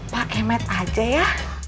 pak kemet aja ya